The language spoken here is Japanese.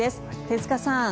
手塚さん